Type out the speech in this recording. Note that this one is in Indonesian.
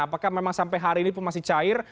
apakah memang sampai hari ini pun masih cair